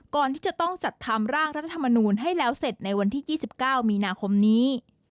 ก่อนที่จะต้องจัดทำร่างรัฐธรรมนูลให้แล้วเสร็จในวันที่๒๙มีนาคมนี้